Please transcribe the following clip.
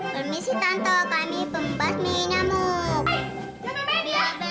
permisi kantor kami pembasmi nyamuk